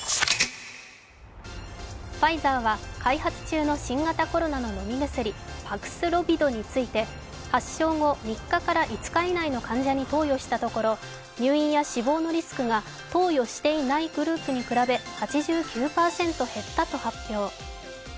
ファイザーは開発中の新型コロナの飲み薬、パクスロビドについて、発症後３日から５日以内の患者に投与したところ入院や死亡のリスクが投与していないグループに比べ８９％減ったと発表。